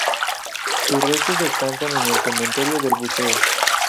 Sus restos descansan en el Cementerio del Buceo.